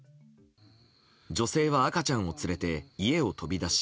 女性は赤ちゃんを連れて家を飛び出し